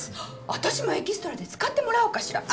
私もエキストラで使ってもらおうかしら！